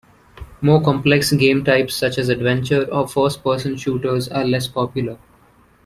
More complex game types, such as adventure or first person shooters, are less popular.